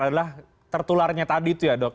adalah tertularnya tadi itu ya dok